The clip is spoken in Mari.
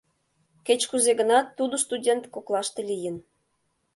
Кеч-кузе гынат, тудо студент коклаште лийын.